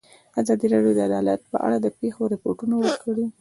ازادي راډیو د عدالت په اړه د پېښو رپوټونه ورکړي.